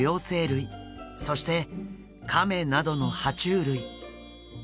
そしてカメなどのは虫類。